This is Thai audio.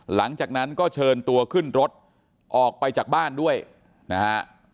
หลังจากนั้นก็เชิญตัวขึ้นรถออกไปจากบ้านด้วยนะฮะ